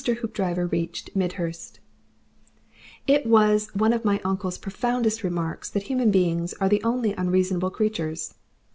HOOPDRIVER REACHED MIDHURST It was one of my uncle's profoundest remarks that human beings are the only unreasonable creatures.